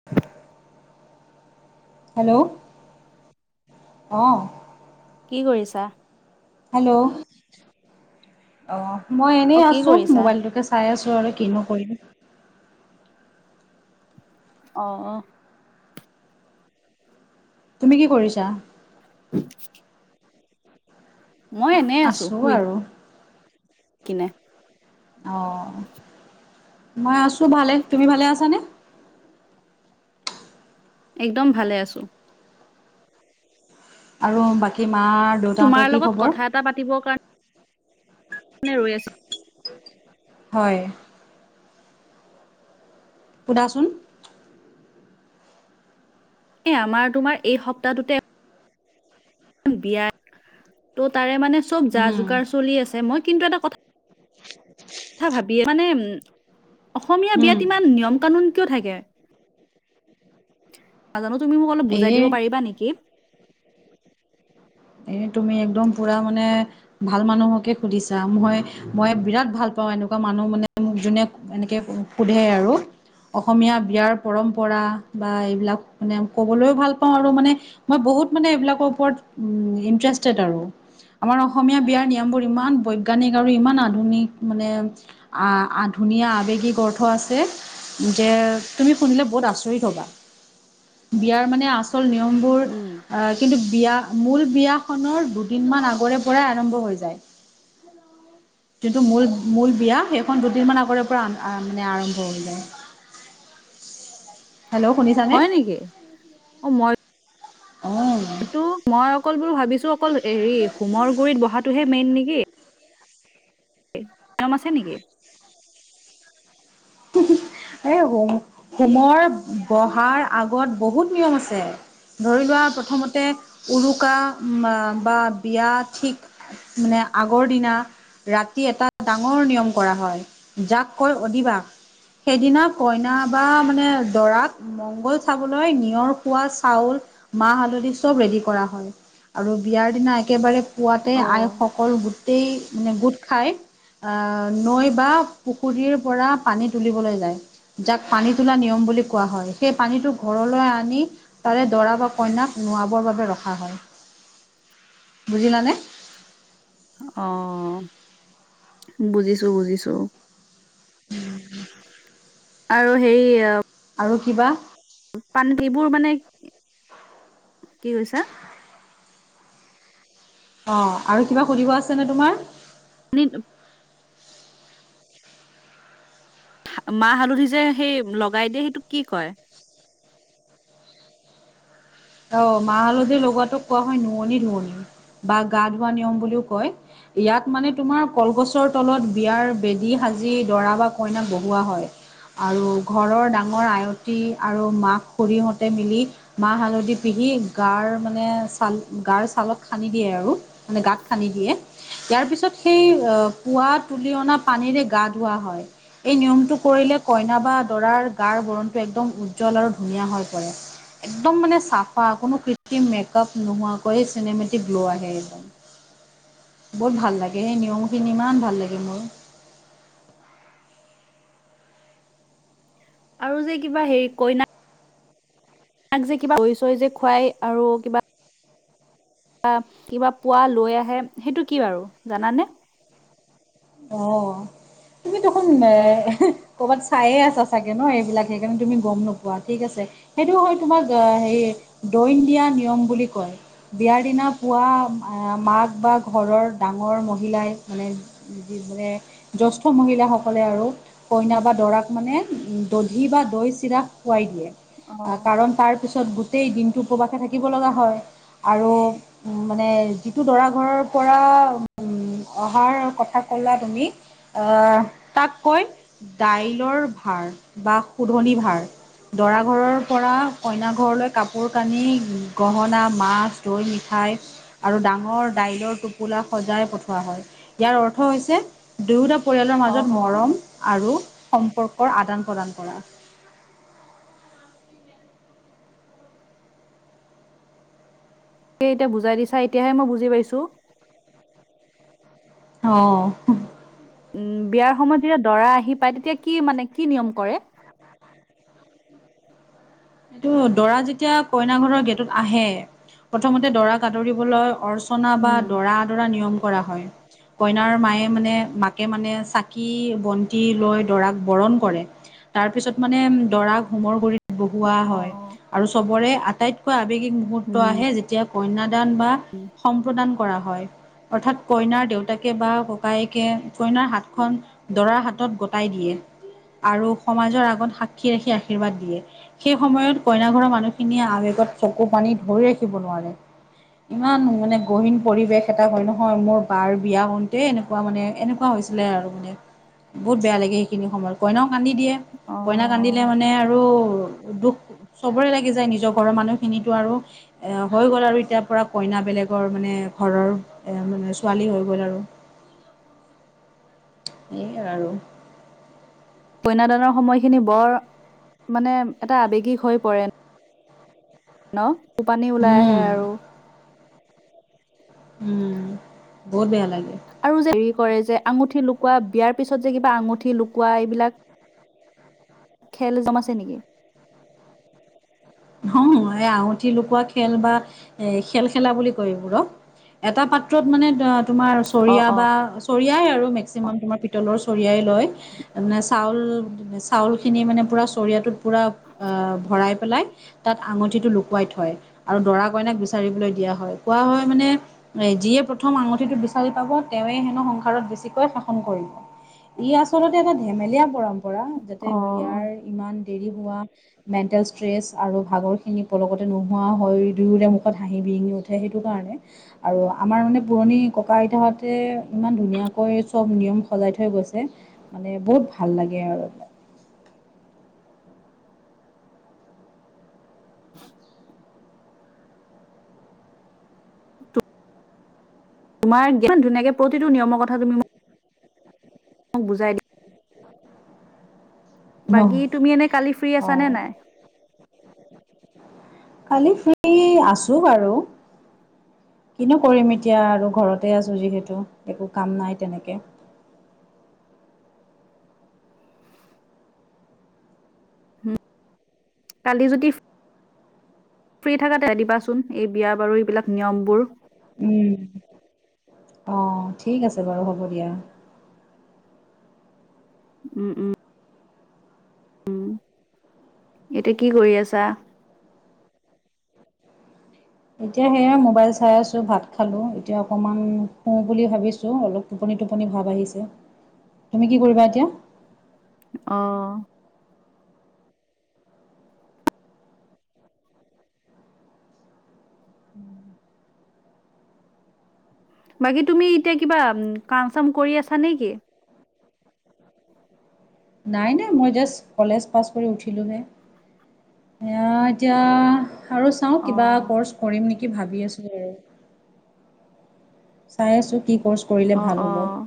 [unintelligible] Hello, অ, কি কৰিছা? হেল্ল', অ, মই এনেই অ' কি আছো কৰিছা? মোবাইল টোকে চাই আছোঁ আৰু কিনো কৰিবি। অ', অ', তুমি কি কৰিছা? [unintelligible] মই এনেই আছো আছোঁ শুই। আৰু কিনে। অ, মই আছোঁ ভালে তুমি ভালে আছানে? একদম ভালে আছো। আৰু বাকী মাৰ তোমাৰ লগত কথা এটা পাতিবৰ কাৰণে [inaudible] ৰৈ আছোঁ। হয়। সুধাচোন? এ আমাৰ তোমাৰ এই সপ্তাহটোতে [unintelligible] বিয়াত ত' তাৰে মানে চব যা উম যোগাৰ চলি আছে মই কিন্তু এটা কথা [unintelligible] ভাবিয়ে মানে উম অসমীয়া উম বিয়াত নিয়ম-কানুন কিয় থাকে? নাজানো তুমি মোক অলপ বুজাই দিব এই পাৰিবা নেকি? এ তুমি একদম পুৰা মানে ভাল মানুহকে সুধিছা মই মই বিৰাট ভাল পাওঁ এনেকুৱা মানুহ মানে মোক যোনে এনেকে সোধে আৰু অসমীয়া বিয়াৰ পৰম্পৰা বা এইবিলাক মানে ক'বলৈও ভাল পাওঁ আৰু মানে মই বহুত মানে এইবিলাকৰ ওপৰত উম ইণ্টাৰেষ্টেড আৰু। আমাৰ অসমীয়া বিয়াৰ নিয়মবোৰ ইমান বৈজ্ঞানিক ইমান আধুনিক মানে আ- আ ধুনীয়া আৱেগিক গৰ্থ আছে যে তুমি শুনিলে বহুত আচৰিত হবা বিয়াৰ মানে আচ আচল নিয়মবোৰ অ, উম। কিন্তু বিয়া মূল বিয়াখনৰ দুদিন মান আগৰে পৰাই আৰম্ভ হৈ যায়। [inaudible] যোনটো মূল-মূল বিয়া সেইখন দুদিনমান আগৰে পৰা আৰাম মানে আৰম্ভ হৈ যায়। [inaudible] হেল্ল', শুনিছা? হয় নেকি অ, মই অ', টো মই অকল বোলো ভাবিছো অকল হেৰি হোমৰ গুৰিত বহাত টোহে মেইন নেকি [inaudible] নিয়ম আছে নেকি? এ হোম - হোমৰ বহাৰ আগত বহুত নিয়ম আছে। ধৰি লোৱা প্ৰথমতে উৰুকা [unintelligible] বা বিয়া ঠিক মানে আগৰ দিনা ৰাতি এটা ডাঙৰ নিয়ম কৰা হয়, যাক কয় অদিবাস। সেইদিনা কইনা বা মানে দৰাক, মংগল চাবলৈ নিয়ৰ খোৱা চাউল মাহ-হালধি চব ৰেডি কৰা হয়, আৰু বিয়াৰ দিনা একেবাৰে পোৱাতে, অ'। আইসকল গোট গোটেই, গোট খাই আ নৈ বা পুখুৰীৰ পৰা পানী তুলিবলৈ যায়, যাক পানী নিয়ম বুলি হয়, সেই পানীটো ঘৰলৈ আনি তাৰে দৰা বা কইনাক, নোৱাবৰ বাবে ৰখা হয়, বুজিলানে। অ', বুজিছো বুজিছো। [inaudible] আৰু হেৰি অ'। আৰু কিবা। পান, এইবোৰ মানে, কি কৈছা? অ', আৰু কিবা সুধিব আছে নে তোমাৰ। পানীটো। মাহ-হালধি যে, সেই লগাই দিয়ে, সেইটো কি কয়? অ', মাহ-হালধিৰ লগোৱাটোক কোৱা হয়, নুৱনি-ধুৱনি বা গা ধোৱা নিয়ম বুলিও কয়। ইয়াত মানে তোমাৰ কলগছৰ তলত, বিয়াৰ বেদী সাজি, দৰা বা কইনাক বহোৱা হয়। আৰু ঘৰৰ, ডাঙৰ আয়তী আৰু মাক-খুৰীহঁতে মিলি, মাহ হালধি পিহী গাৰ মানে ছাল গাৰ ছালত সানি দিয়ে, আৰু মানে গাত সানি দিয়ে। ইয়াৰ পিছত সেই, আহ পুৱা তুলি অনা পানীৰে গা ধুৱা হয়। এই নিয়মটো কৰিলে, কইনা বা দৰাৰ গাৰ বৰণটো, একদম উজ্জ্বল আৰু ধুনীয়া হৈ পৰে। একদম মানে চাফ ফা, কোনো কৃতিম মেকআপ নোহোৱাকৈয়ে, চিনেমেটিক গ্লো আহে একদম। বহুত ভাল লাগে, সেই নিয়মখিনি ইমান ভাল লাগে মোৰ। আৰু যে কিবা হেৰি কইনা কইনাক যে কিবা দৈ-চৈ যে খুৱাই, আৰু কিবা বা কিবা পোৱা লৈ আহে, সেইটো কি বাৰু জানানে। অ', তুমি দেখোন এ কৰ'বাত চায়ে আছা চাগে ন এইবিলাক, সেইকাৰণে, তুমি গম নোপোৱা, ঠিক আছে। সেইটো হয়, তোমাক হেৰি দৈন দিয়া নিয়ম বুলি কয়। বিয়াৰ দিনা পোৱা, মাক বা ঘৰৰ ডাঙৰ মহিলাই মানে মানে জ্যেষ্ঠ মহিলাসকলে আৰু কইনা বা দৰাক মানে, দধি বা দৈ, চিৰা খুৱাই দিয়ে। অ কাৰণ, তাৰপিছত গোটেই দিনটো উপবাসে থাকিব লগা হয়। আৰু মানে, যিটো দৰা ঘৰৰ পৰা অহাৰ কথা কথা ক'লা তুমি, তাক কয় দাইলৰ ভাৰ বা শোধনী ভাৰ। দৰা ঘৰৰ পৰা কইনা ঘৰলৈ, কাপোৰ-কানি, গহনা, মাছ দৈ, মিঠাই আৰু ডাঙৰ দাইলৰ টোপোলা সজাই পঠিওৱা হয়। ইয়াৰ অৰ্থ অৰ্থ হৈছে, দুয়োটা পৰিয়ালৰ অ মাজত মৰম অ', আৰু সম্পৰ্কৰ আদান-প্ৰদান কৰা। তে এতিয়া বুজাই দিছা, এতিয়াহে মই বুজি পাইছোঁ। অ'। উম, বিয়াৰ সময়ত যেতিয়া দৰা আহি পায়, তেতিয়া কি মানে, কি নিয়ম কৰে? এইটো, দৰা যেতিয়া কইনা ঘৰৰ গেটত আহে, প্ৰথমতে দৰাক আদৰিবলৈ অৰ্ছ অৰ্চনা বা উম দৰা আদৰা নিয়ম কৰা হয়। কইনাৰ মায়ে মানে মাকে মানে চাকি বন্তি লৈ দৰাক বৰণ কৰে। তাৰ পিছত মানে দৰাক হোমৰ গুৰিত কোৱা অ হয়। আৰু চবৰে আটাইতকৈ আবেগিক মূহুৰ্ত উম আহে যেতিয়া, কন্যাদান বা সম্প্ৰদান কৰা হয়। অৰ্থাৎ কইনাৰ দেউতাকে বা ককায়েকে কইনাৰ হাতখন, দৰাৰ হাতত গতাই দিয়ে। আৰু সমাজৰ আগত সাক্ষী ৰাখি আশীৰ্বাদ দিয়ে। সেই সময়ত কইনা ঘৰৰ মানুহখিনিয়ে আবেগত চকু পানী ধৰি ৰাখিব নোৱাৰে। ইমান মানে গহীন পৰিৱেশ এটা হয়, নহয় মোৰ বাৰ বিয়া হওঁতে এনেকুৱা, এনেকুৱা মানে এনেকুৱা হৈছিলে। আৰু মানে বহুত বেয়া লাগে সেইখিনি সময়ত কইনাও কান্দি দিয়ে। অ কইনাই কান্দিলে মানে আৰু দুখ চবৰে লাগি যায় নিজৰ ঘৰৰ মানুহখিনিতো আৰু, এ হৈ গ'ল আৰু এতিয়াৰ পৰা কইনা বেলেগৰ মানে ঘৰৰ। এ মানে ছোৱালী হৈ গ'ল আৰু। [inaudible] এয়া আৰু কন্যাদানৰ সময়খিনি বৰ মানে এটা আবেগিক হৈ পৰে। ন চকুপানী ওলাই আহে উম আৰু। উম, বহুত বেয়া লাগে। আৰু যে হেৰি কৰে যে আঙুঠি লুকোৱা বিয়াৰ পিছত যে, কিবা আঙুঠি লুকোৱা এইবিলাক, খেল [unintelligible] আছে নেকি? [unintelligible] আঙুঠি লুকুৱা খেল বা এ খেল খেলা বুলি কয় এইবোৰক। এটা পাত্ৰত মানে ধৰা তোমাৰ অ', চৰিয়া অ', বা চৰিয়াই আৰু অ', মেক্সিমাম তোমাৰ পিতলৰ চৰিয়াই লয়। মানে চাউল চাউলখিনি মানে পূৰা চৰিয়াটোত পূৰা ভৰাই পেলাই, তাত আঙুঠিটো লুকুৱাই থয় আৰু দৰা কইনাক বিচাৰিবলৈ দিয়া হয়। কোৱা হয় মানে, যিয়ে প্ৰথম আঙুঠিটো বিচাৰি পাব তেৱে হেনো সংসাৰত বেছিকৈ শাসন কৰিব। ই আচলতে এটা ধেমেলীয়া পৰম্পৰা। যাতে অ', বিয়াৰ ইমান দেৰি হোৱা মেণ্টেল ষ্ট্ৰেচ, আৰু ভাগৰখিনি পলকতে নোহোৱা হৈ দুয়োৰে মুখত হাঁহি বিৰিঙি উঠে সেইটো কাৰণে, আৰু আমাৰ মানে পুৰণি ককা আইতাহঁতে ইমান ধুনীয়াকৈ চব নিয়ম সজাই থৈ গৈছে মানে বহুত ভাল লাগে আৰু। [inaudible] তোমাৰ [unintelligible] ইমান ধুনীয়াকে প্ৰতিটো নিয়মৰ কথা তুমি মোক মোক বুজাই দিয়া। বাকী তুমি এনে কালি ফ্ৰী আছা নে অঁ নাই? কালি ফ্ৰী আছো বাৰু। কিনো কৰিম এতিয়া আৰু ঘৰতে আছোঁ যিহেতু একো কাম নাই তেনেকে। উম, কালি যদি, ফ্ৰী থাকা [unintelligible] দিবাচোন এই বিয়া বাৰুৰ এইবিলাক নিয়মবোৰ, উম অ', ঠিক আছে বাৰু হ'ব দিয়া। উম, উম। উম, এতিয়া কি কৰি আছা? এতিয়া সেয়াই মোবাইল চাই আছোঁ, ভাত খালোঁ, এতিয়া অকণমান শুওঁ বুলি ভাবিছোঁ অলপ। টোপনি টোপনি ভাৱ আহিছে। তুমি কি কৰিবা এতিয়া? অ', বাকী তুমি এতিয়া কিবা, কাম চাম কৰি আছা নেকি? নাই, নাই, মই জাষ্ট কলেজ পাছ কৰি উঠিলোহে। এয়া, এতিয়া আৰু চাও, কিবা অ', কৰ্চ কৰিম নেকি ভাবি আছিল আৰু। চাই আছো, কি কৰ্চ কৰিলে অ', ভাল হ'ব। অ',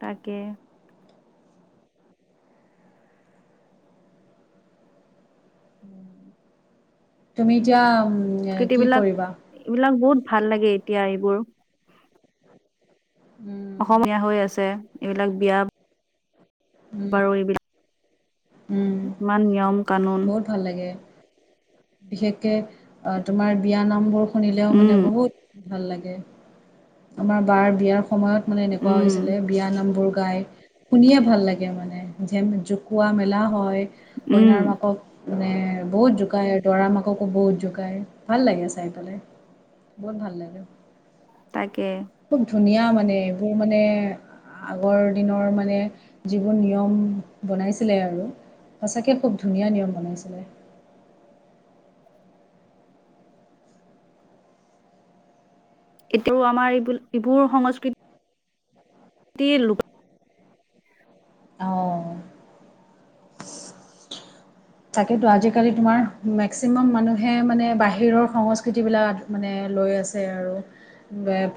তাকে, তুমি, এতিয়া সংস্কৃতি কি বিলাক, কৰিবা বিলাক বহুত ভাল লাগে এতিয়া, এইবোৰ। উম, অসমীয়া হৈ আছে, এইবিলাক বিয়াত উম, উম, ইমান নিয়ম কানুন বহুত ভাল লাগে, বিষেশকে তোমাৰ বিয়াৰ নামবোৰ। শুনিলেও মানে উম বহুত ভাল লাগে। আমাৰ বাৰ বিয়াৰ সময়ত, মানে এনেকুৱা উম হৈছিলে, বিয়া নাম বোৰ গাই, শুনিয়ে ভাল লাগে। মানে, জোকুৱা মেলা হয়, উম কইনাৰ মাকক মানে বহুত জোকাই, দৰা মাককো বহুত জোকাই, ভাল লাগে চাই পেলাই। বহুত ভাল লাগে। তাকে। খুব, ধুনীয়া মানে, এইবোৰ মানে, আগৰ দিনৰ মানে যিবোৰ নিয়ম বনাইছিলে আৰু সঁচাকৈ খুব ধুনীয়া নিয়ম বনাইছিলে। এতিয়াও আমাৰ এইবোৰ, এইবোৰ সংস্কৃতি তিৰ, লোক অ, তাকেতো, আজিকালি তোমাৰ মেক্সিমাম, মানুহে মানে বাহিৰৰ সংস্কৃতি বিলাক মানে লৈ আছে আৰু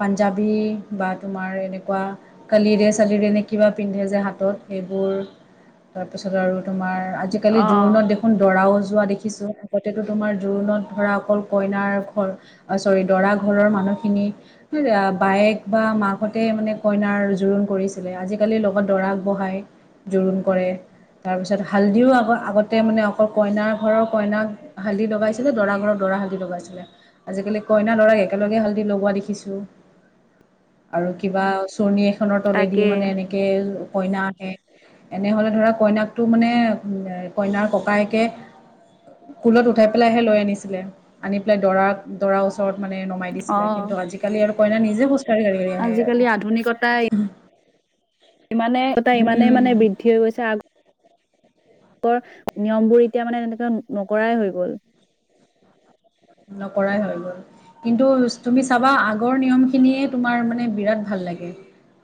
পাঞ্জাৱী বা তোমাৰ এনেকুৱা কালিৰে চালিৰে নে, কিবা পিন্ধে যে হাতত সেইবোৰ তাৰপিছত আৰু তোমাৰ আজিকালি অ জোৰোণত দেখো দেখোন দৰাও যোৱা দেখিছোঁ। আগতেতো তোমাৰ জোৰোণত ধৰা অকল কইনাৰ ঘৰ চৰি, দৰা ঘৰৰ মানুহখিনি বায়েক বা মাকহতে মানে কইনাৰ জোৰোণ কৰিছিলে। আজিকালি লগত দৰাক বহাই। জোৰোণ কৰে, তাৰপিছত হালধিও আগ-আগত তাতে মানে অকল কইনাৰ ঘৰৰ কইনাক হালধি লগাইছিলে। দৰা ঘৰৰ দৰা হালধি লগাইছিলে। আজিকালি কইনা, দৰাক একেলগে হালধি লগোৱা দেখিছো, আৰু কিবা চৰ্ণনি এখনৰ তলেদি তাকে মানে, এনেকে কে, কইনা আহে। এনেহ'লে ধৰা কইনাকটো মানে কইনাৰ, ককায়েকে কুলত উঠাই পেলাইহে লৈ আনিছিলে। আনি পেলাই দৰা, দৰা ওচৰত ওচৰত মানে নমাই অ দিছিলে। কিন্তু আজিকালি আৰু কইনা নিজে খোজ আজিকালি, আধুনিকতা ইমানে, কটা ইমানে মানে উম, বি উঠি হৈ গৈছে। আগৰ, নিয়মবোৰ মানে এনেকে নকৰায় হৈ গ'ল। নকৰায় হৈ গ'ল। কিন্তু তুমি চাবা, আগৰ নিয়মখিনিয়ে তোমাৰ মানে বিৰাট ভাল লাগে।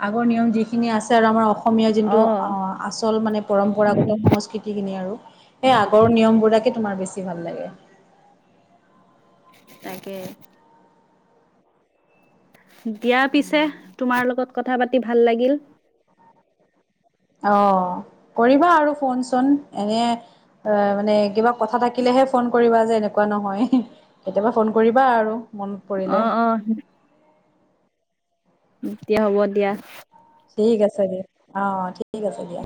আগৰ নিয়ম যিখিনি আছে আৰু আমাৰ অসমীয়া যোনটো অ, আচল মানে, পৰম্পৰাগত সংস্কৃতিখিনি আৰু। সেই আগৰ, নিয়মবোৰাকে তোমাৰ বেছি ভাল লাগে। তাকে দিয়া পিছে, তোমাৰ লগত কথা পাতি ভাল লাগিল। অ, কৰিবা আৰু ফোন চোন এনে। অ, মানে কিবা কথা থাকিলেহে ফোন কৰিবা যে এনেকুৱা নহয়। কেতিয়াবা ফোন কৰিবা আৰু মনত অ পৰিলে। অ', এতিয়া হ'ব দিয়া। ঠিক আছে দিয়া অঁ, ঠিক আছে দিয়া।